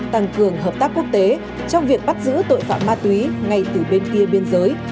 tăng cường hợp tác quốc tế trong việc bắt giữ tội phạm ma túy ngay từ bên kia biên giới